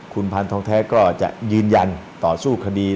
คุณพันธองแท้ก็จะยืนยันต่อสู้คดี